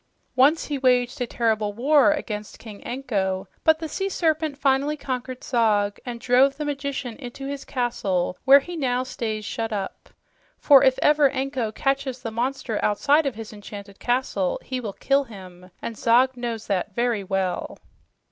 Once he waged a terrible war against King Anko, but the sea serpent finally conquered Zog and drove the magician into his castle, where he now stays shut up. For if ever Anko catches the monster outside of his enchanted castle, he will kill him, and Zog knows that very well."